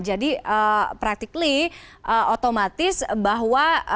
jadi praktikly otomatis bahwa